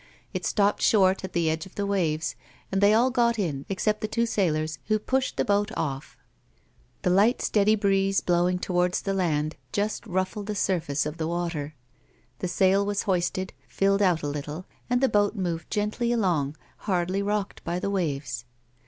It stopped short at the edge of the waves and they all got in, except the two sailors, who pushed the boat off. A light, steady breeze blowing towards the land just ruffled the surface of the water. The sail was hoisted, filled out a little, and the boat moved gently along hardly rocked by the waves.